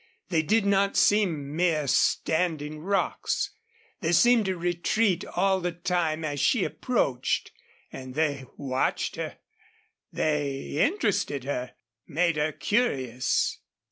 They did not seem mere standing rocks. They seemed to retreat all the time as she approached, and they watched her. They interested her, made her curious.